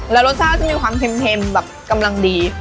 แล้วรสชาติจะมีความเค็มแบบกำลังดี